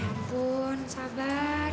ya ampun sabar